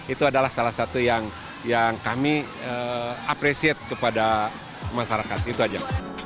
itu adalah salah satu yang kami apresiat kepada masyarakat itu aja